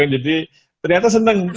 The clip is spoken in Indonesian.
jadi ternyata seneng